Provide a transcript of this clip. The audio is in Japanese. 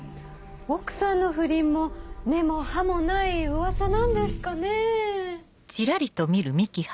奥さんの不倫も根も葉もない噂なんですかね？